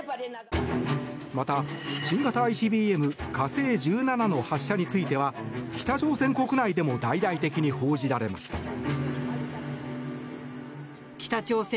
また、新型ＩＣＢＭ「火星１７」の発射については北朝鮮国内でも大々的に報じられました。